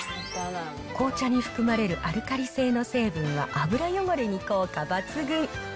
紅茶に含まれるアルカリ性の成分は油汚れに効果抜群。